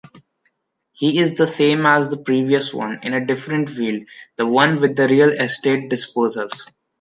He is the same as the previous one, in a different field, the one with the real estate disposals?